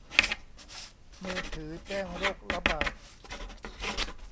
มือถือแจ้งโรคระบาด